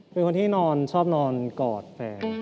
เป็นคนที่นอนชอบนอนกอดแฟน